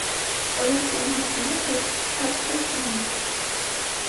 Բոլոր կենողները դուրս էին թափվել տներից: